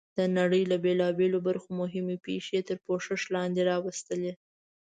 د نړۍ له بېلابېلو برخو مهمې پېښې یې تر پوښښ لاندې راوستلې.